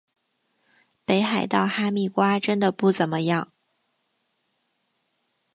北海道哈密瓜真的不怎么样